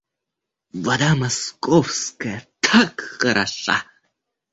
Вода московская так хороша.